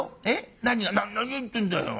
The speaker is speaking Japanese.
何を言ってんだよ。